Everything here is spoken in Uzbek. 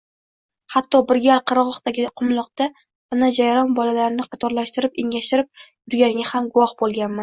Hatto, bir gal qirgʻoqdagi qumloqda ona jayron bolalarini qatorlashtirib ergashtirib yurganiga ham guvoh boʻlganman